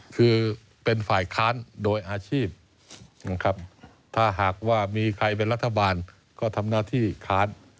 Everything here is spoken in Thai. คือเป็นฝ่ายค้านโดยอาชีพนะครับถ้าหากว่ามีใครเป็นรัฐบาลก็ทำหน้าที่ค้าน